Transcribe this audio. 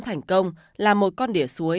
thành công là một con đỉa suối